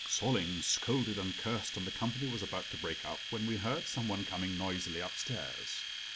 Solling scolded and cursed and the company was about to break up when we heard some one coming noisily upstairs.